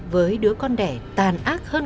với đứa con đẻ tàn ác hơn